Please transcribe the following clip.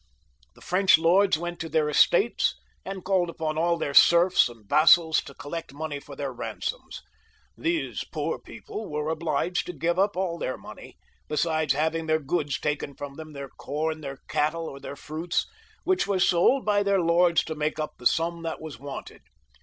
The French lords went to their estates, and called upon all their serfs and vassals to collect money for their ransoms. These poor people were obliged to give up all their money, besides having their goods taken from them, their com, their cattle, or their fruits, which were sold by their lords to make up the sum that was wanted.